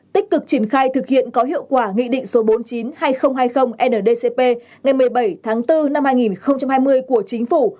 tích cực triển khai thực hiện có hiệu quả nghị định số bốn mươi chín hai nghìn hai mươi ndcp ngày một mươi bảy tháng bốn năm hai nghìn hai mươi của chính phủ